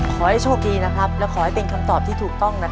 ขอให้โชคดีนะครับและขอให้เป็นคำตอบที่ถูกต้องนะครับ